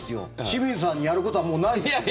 清水さんにやることはもうないですよ。